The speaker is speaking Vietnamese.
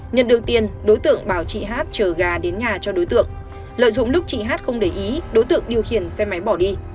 nhận được tiền đối tượng bảo chị hát chờ gà đến nhà cho đối tượng lợi dụng lúc chị hát không để ý đối tượng điều khiển xe máy bỏ đi